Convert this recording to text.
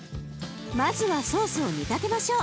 まずはソースを煮立てましょう。